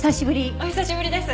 お久しぶりです。